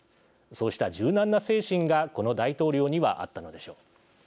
そうした柔軟な精神がこの大統領にはあったのでしょう。